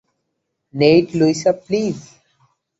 Neat, - Luisa, please!